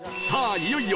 いよいよ